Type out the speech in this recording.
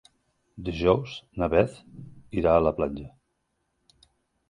Dijous na Beth irà a la platja.